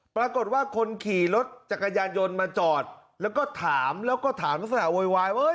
ปรากฏว่าคนขี่รถจักรยานยนต์มาจอดแล้วก็ถามแล้วก็ถามลักษณะโวยวายว่า